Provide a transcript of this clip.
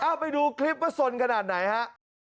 เอาไปดูคลิปว่าสนขนาดไหนฮะ